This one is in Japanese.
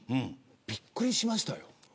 びっくりしましたよ。